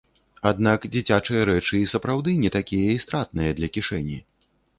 Аднак дзіцячыя рэчы і сапраўды не такія і стратныя для кішэні!